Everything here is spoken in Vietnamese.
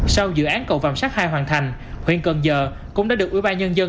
sau dự án cầu vạm sát hai hoàn thành huyện cần giờ cũng đã được ủy ba nhân dân